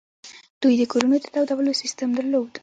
دوی د کورونو د تودولو سیستم درلود